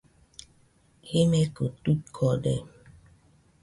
Jimekɨ tuikode.